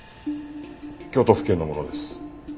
京都府警の者です。